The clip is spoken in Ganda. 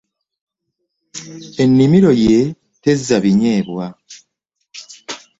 Ennimiro ye tezza binyeebwa